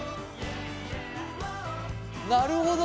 なるほど。